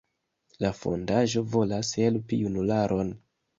La fondaĵo volas helpi junularon.